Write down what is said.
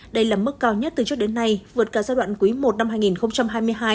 đây là mức cao nhất từ trước đến nay vượt cả giai đoạn quý i năm hai nghìn hai mươi hai